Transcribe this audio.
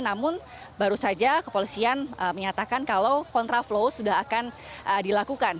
namun baru saja kepolisian menyatakan kalau kontraflow sudah akan dilakukan